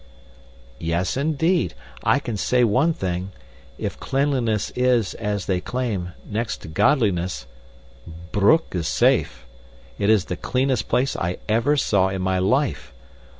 "Yes, indeed. I can say one thing if cleanliness is, as they claim, next to godliness, Broek is safe. It is the cleanest place I ever saw in my life.